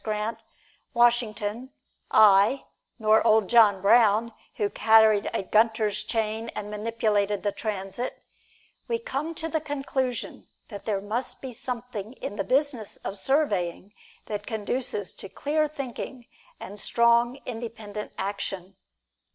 Grant, Washington aye! nor old John Brown, who carried a Gunter's chain and manipulated the transit we come to the conclusion that there must be something in the business of surveying that conduces to clear thinking and strong, independent action.